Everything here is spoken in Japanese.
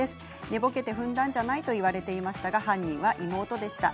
寝ぼけてふんだんじゃない？と言われていましたが犯人は妹でした。